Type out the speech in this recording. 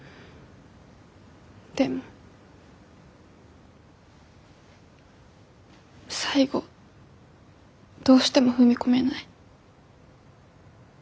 でも最後どうしても踏み込めない。